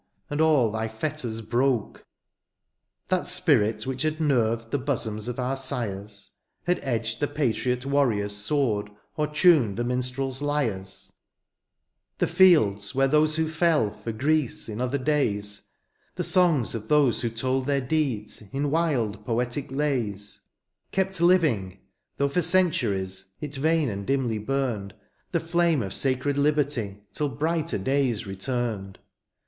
And all tBy fetters broke. 186 THE GREEK GIRL'S SONG. That spirit which had nerved The bosoms of our sires^ Had edged the patriot warrior's sword^ Or toned the minstrePs lyres — The fields where those who fell For Greece in other days^ The songs of those who told their deeds In wild poetic lays, — Kept living (though for centuries It vain and dimly burned) The flame of sacred liberty. Till brighter days returned.